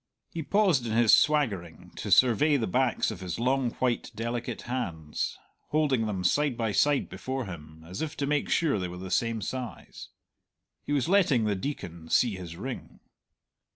He paused in his swaggering to survey the backs of his long white delicate hands, holding them side by side before him, as if to make sure they were the same size. He was letting the Deacon see his ring.